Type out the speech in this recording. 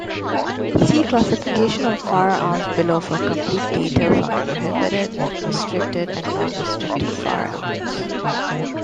See Classification of firearms below for complete details on prohibited, restricted and non-restricted firearms.